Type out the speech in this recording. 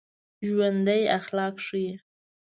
ژوندي اخلاق ښيي